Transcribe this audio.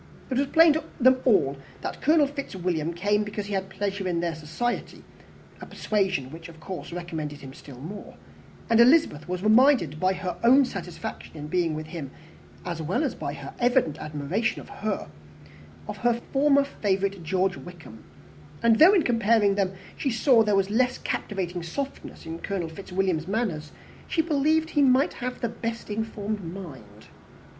It was plain to them all that Colonel Fitzwilliam came because he had pleasure in their society, a persuasion which of course recommended him still more; and Elizabeth was reminded by her own satisfaction in being with him, as well as by his evident admiration, of her former favourite, George Wickham; and though, in comparing them, she saw there was less captivating softness in Colonel Fitzwilliam's manners, she believed he might have the best informed mind.